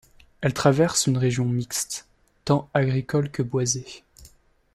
Elle traverse une région mixte, tant agricole que boisée.